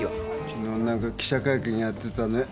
きのう何か記者会見やってたね。